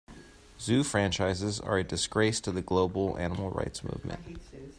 Zoos franchises are a disgrace to the global animal rights movement.